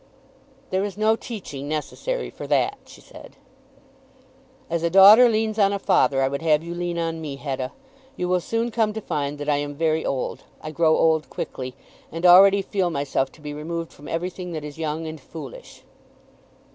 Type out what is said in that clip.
"There is no teaching necessary for that," she said. "As a daughter leans on a father I would have you lean on me, Hetta. You will soon come to find that I am very old. I grow old quickly, and already feel myself to be removed from everything that is young and foolish."